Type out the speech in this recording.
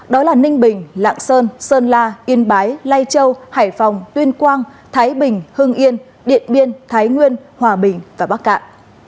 đó là ninh bình lạng sơn sơn la yên bái lai châu hải phòng tuyên quang thái bình hưng yên điện biên thái nguyên hòa bình và bắc cạn